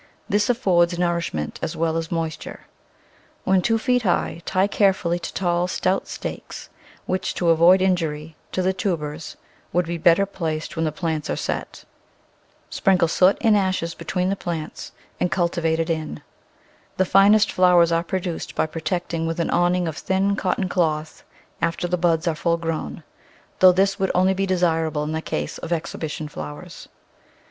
This affords nourishment as well as moisture. When two feet high tie carefully to tall, stout stakes, which, to avoid injury to the tu bers, would better be placed when the plants are set. Sprinkle soot and ashes between the plants and culti Digitized by Google 106 The Flower Garden [Chapter vate it in. The finest flowers are produced by pro tecting with an awning of thin cotton cloth after the buds are fully grown — though this would only be desirable in the case of exhibition flowers.